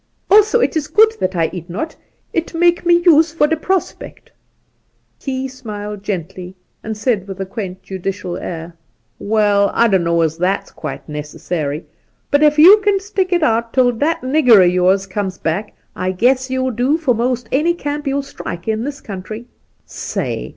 Also it is good that I eat not. It make me use for the prospect' Key smUed gently, and said, with a quaint judicial air :' Waal, I don't know as that's quite necessary ; but ef you kin stick it out tiU that nigger o' yours comes back, I guess you'll do for most any camp you'll strike in this country. Say